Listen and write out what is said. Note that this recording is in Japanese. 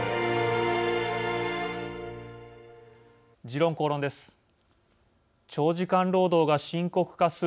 「時論公論」です。